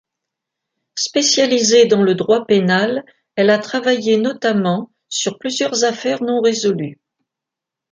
Spécialisée dans le droit pénal, elle a travaillé notamment sur plusieurs affaires non résolues.